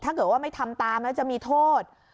ถ้าเกิดว่าไม่ทำตามแล้วจะมีโทษ